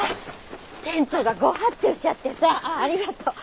店長が誤発注しちゃってさあぁありがとう。